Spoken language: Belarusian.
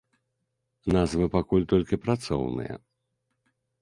Назвы пакуль толькі працоўныя.